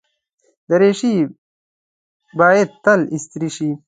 دریشي باید تل استری شي.